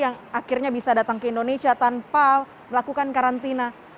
yang akhirnya bisa datang ke indonesia tanpa melakukan karantina